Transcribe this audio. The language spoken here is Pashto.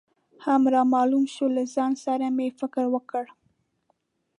هم رامعلوم شو، له ځان سره مې فکر وکړ.